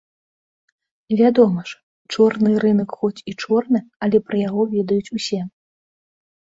Вядома ж, чорны рынак хоць і чорны, але пра яго ведаюць усе.